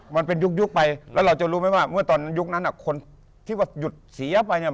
มันเป็นยุคไปแล้วเราจะรู้ไหมว่าเมื่อตอนยุคนั้นอ่ะคนที่ว่าหยุดเสียไปเนี่ย